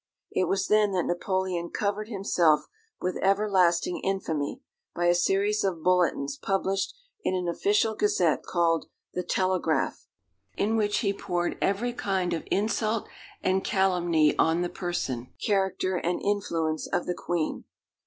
It was then that Napoleon covered himself with everlasting infamy by a series of bulletins published in an official gazette called The Telegraph, in which he poured every kind of insult and calumny upon the person, character, and influence of the Queen.